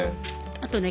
あとね